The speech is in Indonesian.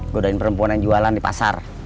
godain perempuan yang jualan di pasar